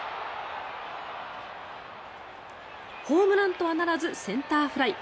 ホームランとはならずセンターフライ。